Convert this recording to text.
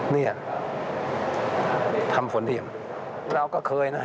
นี่ทำฝนเทียม